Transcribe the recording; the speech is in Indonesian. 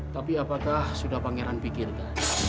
tapi apakah sudah pangeran pikirkan